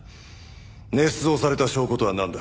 捏造された証拠とはなんだ？